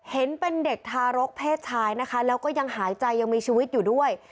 เห็นเป็นเด็กทารกเพศชายนะคะแล้วก็ยังหายใจยังมีชีวิตอยู่ด้วย